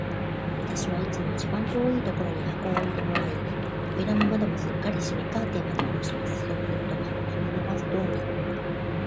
私はいつも一番遠いところに箱を置いてもらい、扉も窓もすっかり閉め、カーテンまでおろします。そうすると、それでまず、どうにか聞けるのでした。